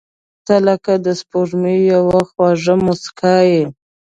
• ته لکه د سپوږمۍ یوه خواږه موسکا یې.